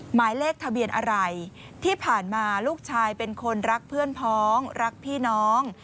หมายเลขทะเบียนอะไรที่ผ่านมาลูกชายเป็นคนรักเพื่อนพ้องรักพี่น้อง